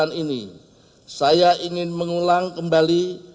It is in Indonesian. pada saat ini saya ingin mengulang kembali